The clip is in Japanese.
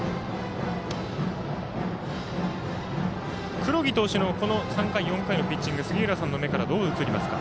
黒木投手の３回、４回のピッチング杉浦さんの目からどう映りますか？